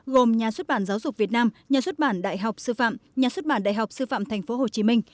gồm nhà xuất bản giáo dục việt nam nhà xuất bản đại học sư phạm nhà xuất bản đại học sư phạm tp hcm